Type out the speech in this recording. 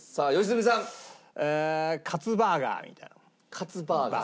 カツバーガー？